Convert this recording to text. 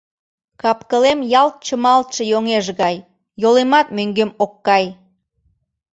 Капкылем ялт чымалтше йоҥеж гай, йолемат мӧҥгем ок кай!